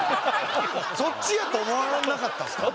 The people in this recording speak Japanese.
そっちやと思わなかったんすか？